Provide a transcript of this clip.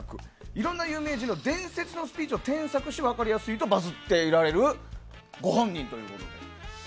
いろんな有名人の伝説のスピーチを添削して分かりやすいとバズっておられるご本人ということで。